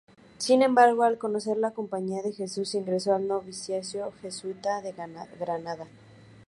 Sin embargo, al conocerla Compañía de Jesús, ingresó al noviciado jesuita de Granada.